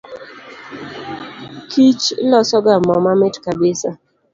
Kich losoga moo mamit kabisa.